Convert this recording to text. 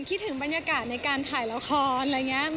คิดถึงบรรยากาศในการถ่ายละครอะไรอย่างนี้